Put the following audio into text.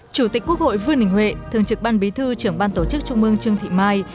chủ tịch quốc hội vương đình huệ thường trực ban bí thư trưởng ban tổ chức trung mương trương thị mai